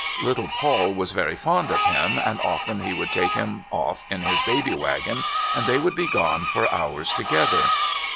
Little Paul was very fond of him, and often he would take him off in his baby wagon, and they would be gone for hours together.